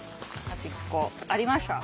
端っこありました。